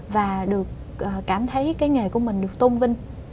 và được cảm thấy cái nghề của mình được tôn vinh